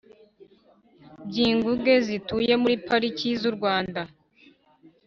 byi inguge zituye muri pariki z u Rwanda